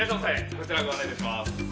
こちらご案内致します。